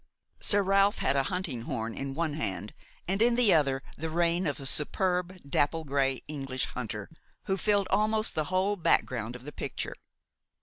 Sir Ralph had a hunting horn in one hand and in the other the rein of a superb, dapple gray English hunter, who filled almost the whole background of the picture.